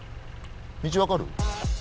道分かる？